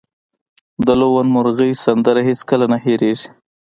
د لوون مرغۍ سندره هیڅکله نه هیریږي